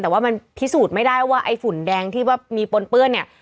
แต่ว่ามันพิสูจน์ไม่ได้ว่าไอ้ฝุ่นแดงที่ว่ามีปนเปื้อนเนี่ย